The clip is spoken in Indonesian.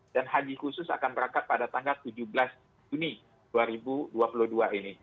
dan haji khusus akan berangkat pada tanggal tujuh belas juni dua ribu dua puluh dua ini